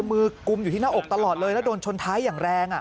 มือกุมอยู่ที่หน้าอกตลอดเลยแล้วโดนชนท้ายอย่างแรง